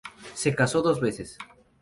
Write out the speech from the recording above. Se casó dos veces